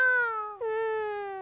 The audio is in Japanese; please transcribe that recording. うん。